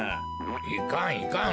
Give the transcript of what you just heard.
いかんいかん。